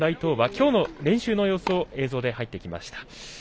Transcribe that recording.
きょうの練習の様子映像で入ってきました。